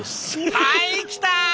はい来た！